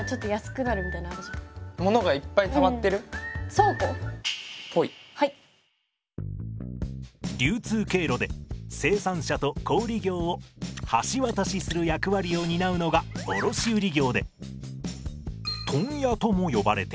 そこに私たちの何か流通経路で生産者と小売業を橋渡しする役割を担うのが卸売業で問屋とも呼ばれています。